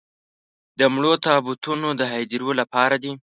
د مړو تابوتونه د هديرو لپاره دي.